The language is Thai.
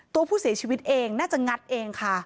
ตัวผู้เสียชีวิตเองน่าจะงัดเองค่ะ